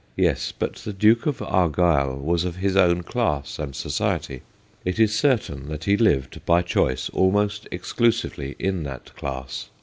Yes ; but the Duke of Argyll was of his own class and society. It is certain that he lived, by choice, almost exclusively in that class.